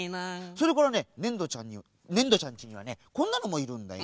それからねねんどちゃんちにはねこんなのもいるんだよ。